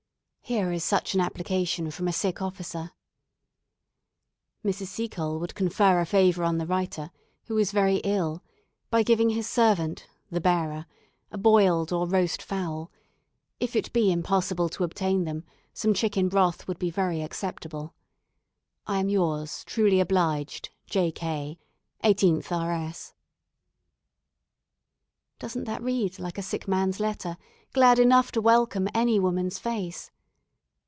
Here is such an application from a sick officer: "Mrs. Seacole would confer a favour on the writer, who is very ill, by giving his servant (the bearer) a boiled or roast fowl; if it be impossible to obtain them, some chicken broth would be very acceptable. "I am yours, truly obliged, "J. K., 18th R. S." Doesn't that read like a sick man's letter, glad enough to welcome any woman's face?